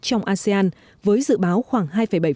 trong asean với dự báo khoảng hai bảy